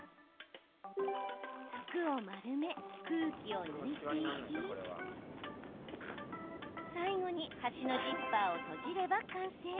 服を丸め、空気を抜いていき最後に端のジッパーを閉じれば完成。